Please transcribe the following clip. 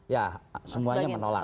ya semuanya menolak